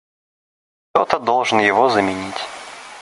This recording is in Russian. Кто-то должен его заменить.